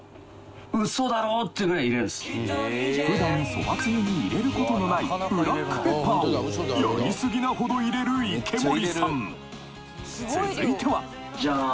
普段そばつゆに入れる事のないブラックペッパーをやりすぎなほど入れる池森さん続いてはジャーン！